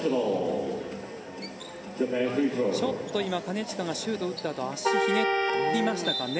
ちょっと今金近がシュートを打ったあと足をひねりましたかね。